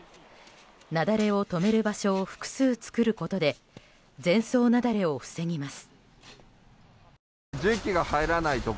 雪崩を止める場所を複数作ることで全層雪崩を防ぎます。